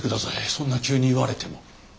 そんな急に言われても。